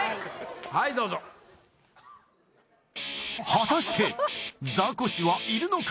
はいどうぞ果たしてザコシはいるのか？